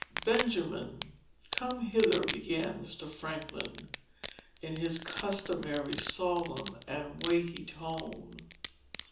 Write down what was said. "Benjamin, come hither," began Mr. Franklin, in his customary solemn and weighty tone.